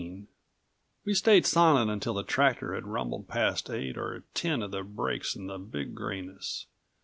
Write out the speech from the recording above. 18 We stayed silent until the tractor had rumbled past eight or ten of the breaks in the Big Grayness.